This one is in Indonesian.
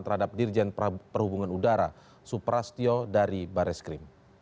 terhadap dirjen perhubungan udara suprastio dari bareskrim